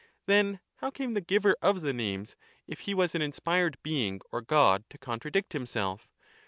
Then how came the giver of the names, if he was an inspired being or God, to contradict himself?